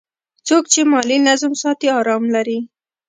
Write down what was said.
څوک چې مالي نظم ساتي، آرام ژوند لري.